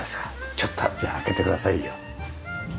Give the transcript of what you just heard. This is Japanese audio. ちょっとじゃあ開けてくださいよ。